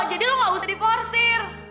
jadi lo gak usah diporsir